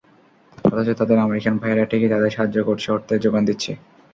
অথচ তাদের আমেরিকান ভাইয়েরা ঠিকই তাদের সাহায্য করছে, অর্থের জোগান দিচ্ছে।